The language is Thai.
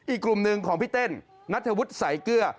อีกกลุ่มหนึ่งของพี่เต้นนัทธวุฒิสายเกลือ